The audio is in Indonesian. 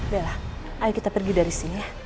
bella ayo kita pergi dari sini ya